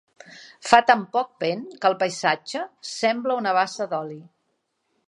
Fa tan poc vent que el paisatge sembla una bassa d'oli.